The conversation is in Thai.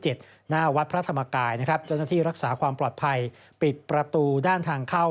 หน้าวัดพระธรรมกายนะครับเจ้าหน้าที่รักษาความปลอดภัยปิดประตูด้านทางเข้า